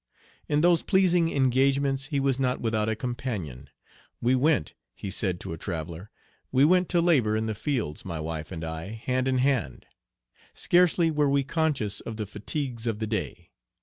In those pleasing engagements he was not without a companion. "We went," he said to a traveller, "we went to labor in the fields, my wife and I, hand in hand. Scarcely were we conscious of the fatigues of the day.